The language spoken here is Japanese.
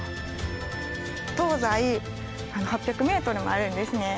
東西８００ｍもあるんですね。